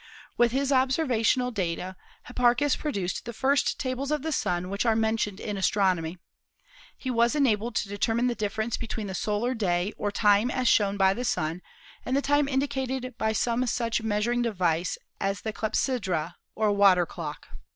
With his observational data Hipparchus produced the first tables of the Sun which are mentioned in astronomy. He was enabled to determine the difference between the solar day or time as shown by the Sun and the time indicated b) r some such measuring device as the clepsydra or water clock.